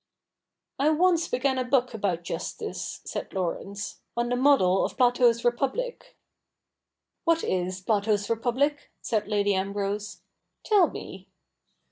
'I once began a book about justice,' said Laurence, ' on the model of Plato's Repubhc' ' What is Plato's Republic ?' said Lady Ambrose. ' Tell me.'